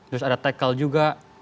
terus ada tackle juga